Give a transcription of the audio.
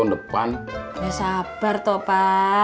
udah sabar toh pa